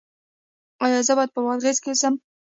ایا زه باید په بادغیس کې اوسم؟